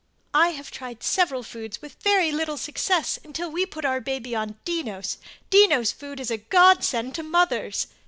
I had tried several foods with very little success until we put our baby on DENNOS. DENNOS FOOD is a Godsend to mothers.